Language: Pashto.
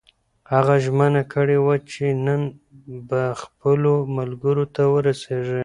هغه ژمنه کړې وه چې نن به خپلو ملګرو ته ورسېږي.